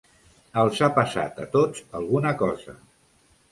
Els ha passat a tots alguna cosa.